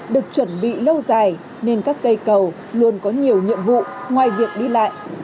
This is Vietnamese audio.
được chuẩn bị lâu dài nên các cây cầu luôn có nhiều nhiệm vụ ngoài việc đi lại